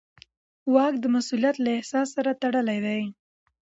واک د مسوولیت له احساس سره تړلی دی.